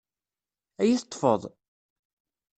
Ad iyi-teṭṭefeḍ?